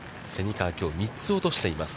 蝉川、きょう３つ落としています。